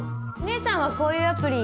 姐さんはこういうアプリ。